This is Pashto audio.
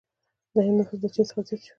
د هند نفوس له چین څخه زیات شو.